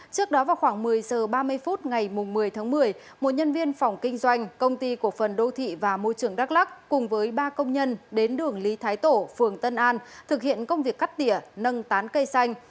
trước đó vào khoảng một mươi h ba mươi phút ngày một mươi tháng một mươi một nhân viên phòng kinh doanh công ty cổ phần đô thị và môi trường đắk lắc cùng với ba công nhân đến đường lý thái tổ phường tân an thực hiện công việc cắt tỉa nâng tán cây xanh